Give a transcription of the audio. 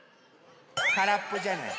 からっぽじゃない。